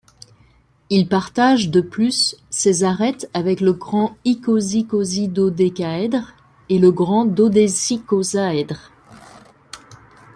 Il partage, de plus, ses arêtes avec le grand icosicosidodécaèdre et le grand dodécicosaèdre.